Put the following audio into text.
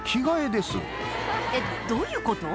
えっどういうこと？